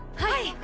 はい！